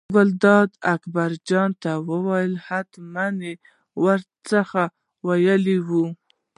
ګلداد اکبرجان ته وویل حتمي یې ور ته څه ویلي وو.